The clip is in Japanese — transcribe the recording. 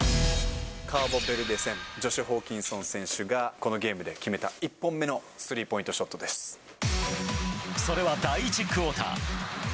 カーボベルデ戦、ジョシュ・ホーキンソン選手が、このゲームで決めた１本目のスリそれは第１クオーター。